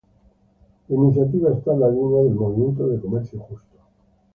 La iniciativa está en la línea del movimiento de comercio justo.